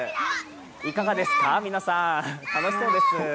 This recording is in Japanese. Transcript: いかがですか、皆さん楽しそうです。